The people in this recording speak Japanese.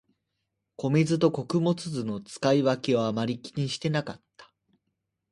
米酢と穀物酢の使い分けをあまり気にしてなかった